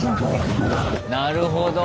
なるほど。